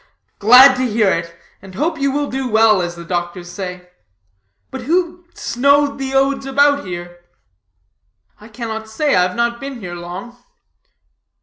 "Glad to hear it, and hope you will do well, as the doctors say. But who snowed the odes about here?" "I cannot say; I have not been here long."